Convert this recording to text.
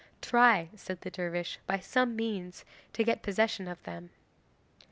"Try," said the dervish, "by some means to get possession of them."